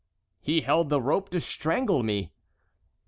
"He held the rope to strangle me."